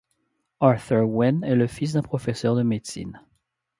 Arthur Wynn est le fils d'un professeur de médecine.